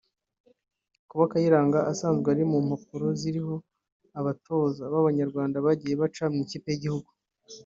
Kuba Kayiranga asanzwe ari mu mpapuro ziriho abatoza b’abanyarwanda bagiye baca mu ikipe y’igihugu